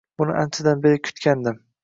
Buni anchadan beri kutgandim.